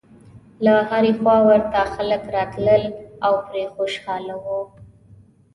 له هرې خوا ورته خلک راتلل او پرې خوشاله و.